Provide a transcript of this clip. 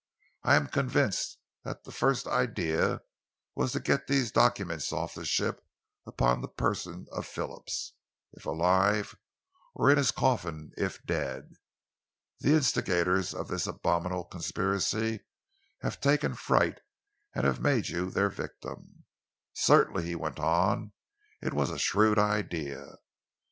I am convinced that the first idea was to get these documents off the ship upon the person of Phillips, if alive, or in his coffin if dead. The instigators of this abominable conspiracy have taken fright and have made you their victim. Certainly," he went on, "it was a shrewd idea.